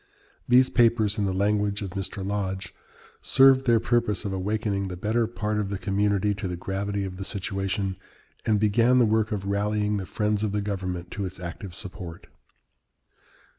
These papers, in the language of Mr, Lodge, "served their purpose of awakening the better part of the community to the gravity of the situation, and began the work of rallying the friends of the government to its active support."